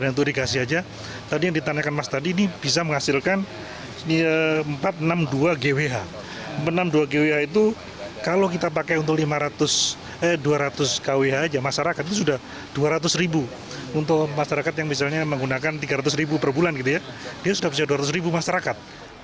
untuk masyarakat yang misalnya menggunakan rp tiga ratus per bulan dia sudah bisa rp dua ratus masyarakat